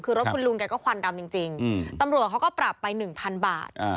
คือรถคุณลุงแกก็ควันดำจริงตำรวจเขาก็ปรับไป๑๐๐บาท